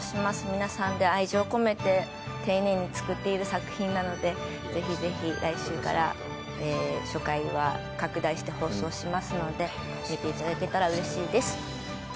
皆さんで愛情込めて丁寧に作っている作品なので、ぜひぜひ来週から、初回は拡大して放送しますので見ていただけたらうれしいです。